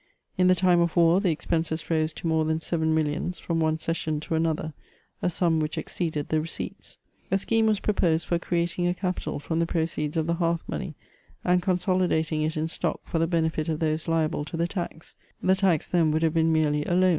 In the time of war the expenses rose to more than seven millions from one session to another, a sum which exceeded the receipts. A scheme was prc^KMed for cre ating a capital from the proceeds of the hearth money, and con solidating it in stock for the benefit of those liable to the tax f the tax then would have been merely a loan.